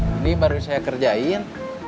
ini baru saya kerjain